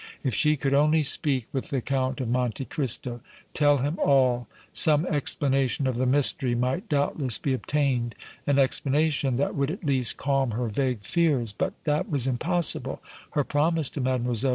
If she could only speak with the Count of Monte Cristo, tell him all, some explanation of the mystery might, doubtless, be obtained, an explanation that would, at least, calm her vague fears; but that was impossible; her promise to Mlle.